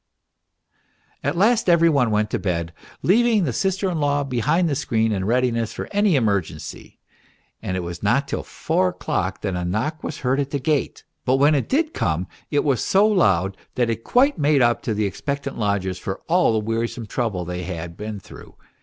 At last every one went to bed, leaving the sister in law behind the screen in readiness for any emergency ; and it was not till four o'clock that a knock was heard at the gate, but when it did come it was so loud that it quite made up to the expectant lodgers for all the wearisome trouble they had been through.